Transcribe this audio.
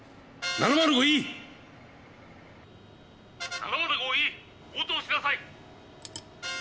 ７０５Ｅ応答しなさい！